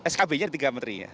skb nya ada tiga menteri ya